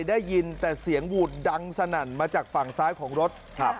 ได้ยินแต่เสียงวูดดังสนั่นมาจากฝั่งซ้ายของรถครับ